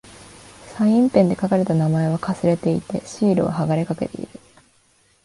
サインペンで書かれた名前は掠れていて、シールは剥がれかけている。